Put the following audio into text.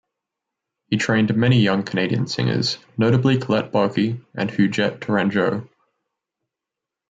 He trained many young Canadian singers, notably Colette Boky and Huguette Tourangeau.